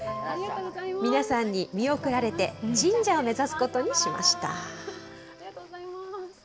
皆さんに見送られて、神社を目指すことにしました。